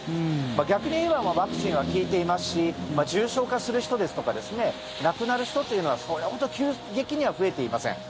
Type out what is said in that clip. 逆に言えばワクチンは効いていますし重症化する人ですとか亡くなる人というのはそれほど急激には増えていません。